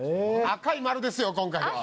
赤い丸ですよ今回は。